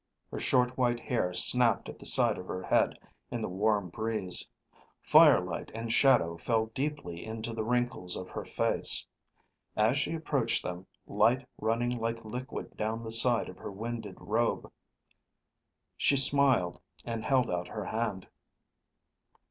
Her short white hair snapped at the side of her head in the warm breeze. Firelight and shadow fell deeply into the wrinkles of her face. As she approached them, light running like liquid down the side of her winded robe, she smiled and held out her hand.